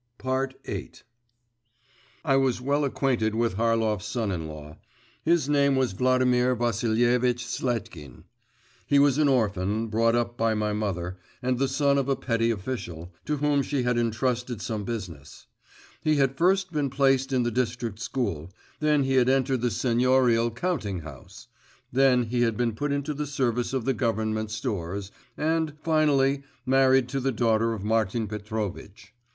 VIII I was well acquainted with Harlov's son in law. His name was Vladimir Vassilievitch Sletkin. He was an orphan, brought up by my mother, and the son of a petty official, to whom she had intrusted some business. He had first been placed in the district school, then he had entered the 'seignorial counting house,' then he had been put into the service of the government stores, and, finally, married to the daughter of Martin Petrovitch.